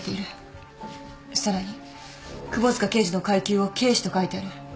さらに窪塚刑事の階級を警視と書いてある。